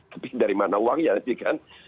tapi dari mana uangnya nanti kan